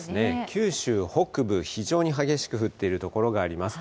九州北部、非常に激しく降っている所があります。